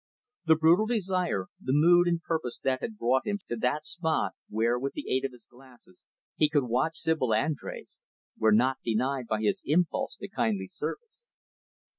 The brutal desire, the mood and purpose that had brought him to that spot where with the aid of his glass he could watch Sibyl Andrés, were not denied by his impulse to kindly service.